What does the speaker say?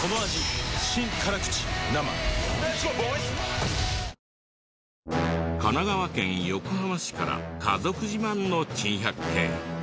三菱電機神奈川県横浜市から家族自慢の珍百景。